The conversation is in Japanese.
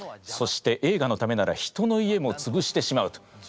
そして映画のためなら人の家もつぶしてしまうと。